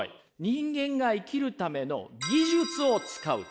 人間が生きるための技術を使う知恵。